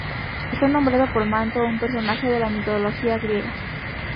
Está nombrado por Manto, un personaje de la mitología griega.